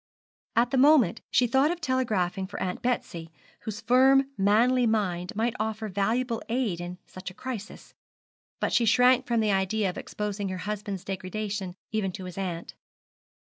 At the moment she thought of telegraphing for Aunt Betsy, whose firm manly mind might offer valuable aid in such a crisis; but she shrank from the idea of exposing her husband's degradation even to his aunt.